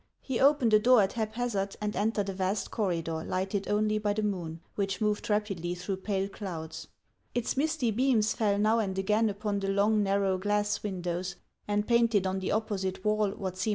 He opened a door at haphazard and entered a vast corridor lighted only by the moon, which moved rapidly through pale clouds. Its misty beams fell now and again upon the long, narrow glass windows, and painted on the opposite wall what HAXS OF ICELAND.